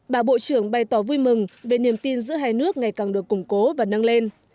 bà bộ trưởng bày tỏ vui mừng về niềm tin giữa hai nước ngày càng được củng cố và nâng lên